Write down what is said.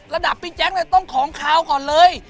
ระดาษพี่เจคจะต้องของขอบเอ่ย